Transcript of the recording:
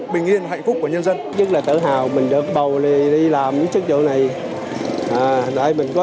tình yên hạnh phúc của nhân dân nhất là tự hào mình được bầu đi làm những chức vụ này để mình có